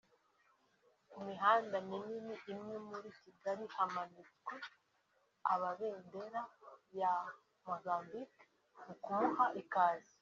ku mihanda minini imwe muri Kigali hamanitswe ababendera ya Mozambique mu kumuha ikaze